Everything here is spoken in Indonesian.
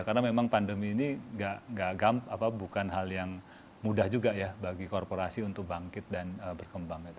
karena memang pandemi ini gak gamp bukan hal yang mudah juga ya bagi korporasi untuk bangkit dan berkembang